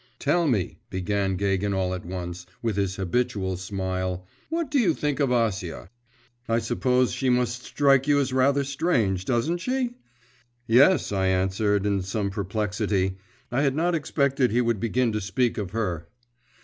'Tell me,' began Gagin all at once, with his habitual smile, 'what do you think of Acia? I suppose she must strike you as rather strange, doesn't she?' 'Yes,' I answered, in some perplexity. I had not expected he would begin to speak of her.